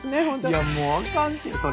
いやもうあかんってそれ。